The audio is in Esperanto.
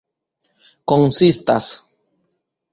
konsistas